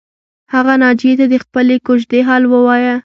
هغې ناجیې ته د خپلې کوژدې حال ووایه